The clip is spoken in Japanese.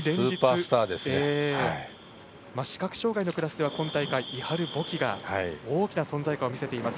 視覚障がいのクラスでは今大会、イハル・ボキが大きな存在感を見せています。